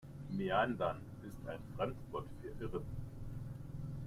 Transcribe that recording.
Meandern ist ein Fremdwort für "Irren".